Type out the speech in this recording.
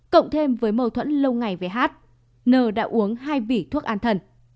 cộng thêm với mâu thuẫn lâu ngày với hát n đã uống hai vỉ thuốc an thần